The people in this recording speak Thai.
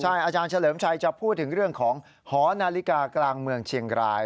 อาจารย์เฉลิมชัยจะพูดถึงเรื่องของหอนาฬิกากลางเมืองเชียงราย